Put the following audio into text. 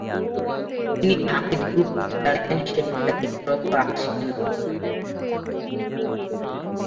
তিনি হামিদ গ্রুপের চেয়ারম্যান হিসেবে দায়িত্বরত আছেনম্বর।